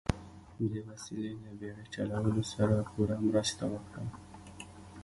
دې وسیلې له بیړۍ چلولو سره پوره مرسته وکړه.